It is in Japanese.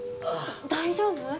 大丈夫？